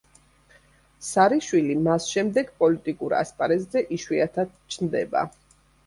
სარიშვილი მას შემდეგ პოლიტიკურ ასპარეზზე იშვიათად ჩნდება.